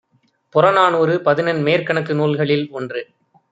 புறநானூறு பதினெண்மேற்கணக்கு நூல்களில் ஒன்று.